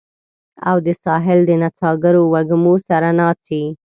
او د ساحل د نڅاګرو وږمو سره ناڅي